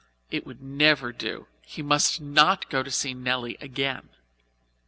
It would never do; he must not go to see Nelly again.